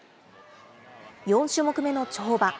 ４種目めの跳馬。